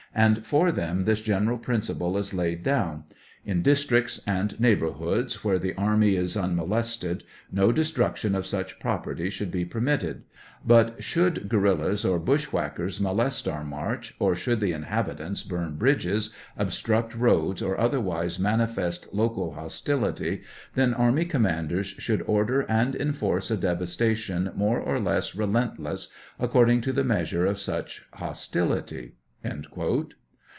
and for them this general principle is laid down ; in districts Ill and neighborhoods where the army is unmolested, no destruction of such property should be permitted; but should guerillas or bushwhackers molest our march, or should the inhabitants burn bridges, obstruct roads, or otherwise manifest local hostility, then army com manders should order and enforce a devastation more or less relentless, according to the measure of . such hostility." VI.